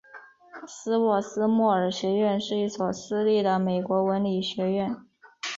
斯沃斯莫尔学院是一所私立的美国文理学院。